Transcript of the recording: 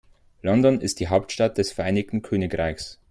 London ist die Hauptstadt des Vereinigten Königreichs.